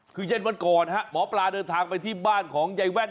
คือเย็นวันก่อนฮะหมอปลาเดินทางไปที่บ้านของยายแว่น